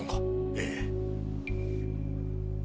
ええ。